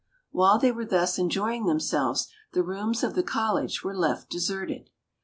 While they were thus enjoying themselves the rooms of the college were left deserted.